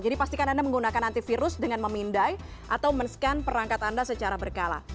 jadi pastikan anda menggunakan antivirus dengan memindai atau men scan perangkat anda secara berkala